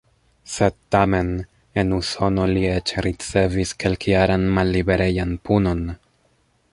Sed tamen, en Usono li eĉ ricevis kelkjaran malliberejan punon!